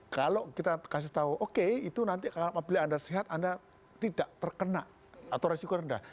kalau kita kasih tahu oke itu nanti apabila anda sehat anda tidak terkena atau resiko rendah